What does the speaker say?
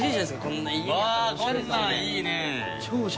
こんなんいいね。